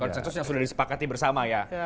konsensus yang sudah disepakati bersama ya